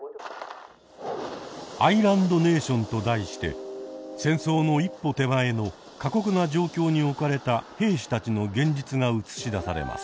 「アイランド・ネーション」と題して戦争の一歩手前の過酷な状況に置かれた兵士たちの現実が映し出されます。